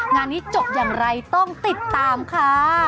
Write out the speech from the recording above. งานนี้จบอย่างไรต้องติดตามค่ะ